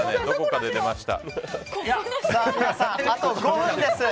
皆さん、あと５分です。